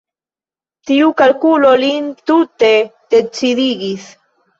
Tiu kalkulo lin tute decidigis.